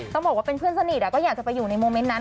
ต้องบอกว่าเป็นเพื่อนสนิทก็อยากจะไปอยู่ในโมเมนต์นั้น